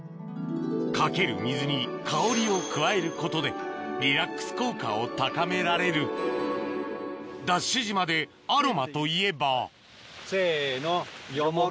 かける水に香りを加えることでリラックス効果を高められるＤＡＳＨ島でアロマといえばせの。